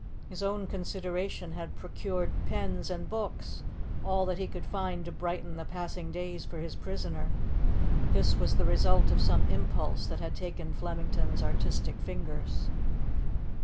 His own consideration had procured pens and books all that he could find to brighten the passing days for his prisoner. This was the result of some impulse that had taken Flemington's artistic fingers.